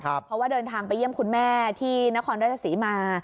เพราะว่าเดินทางไปเยี่ยมคุณแม่ที่นครราชศรีมา